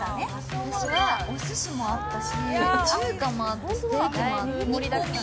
私はおすしもあったし、中華もあったし、ステーキもあって盛りだくさん。